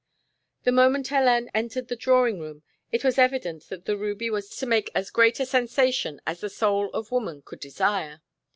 The moment Hélène entered the drawing room it was evident that the ruby was to make as great a sensation as the soul of woman could desire.